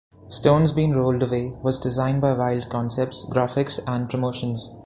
"Stone's Been Rolled Away" was designed by Wyld Concepts Graphics and Promotions.